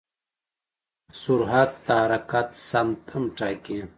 سرعت د حرکت سمت هم ټاکي.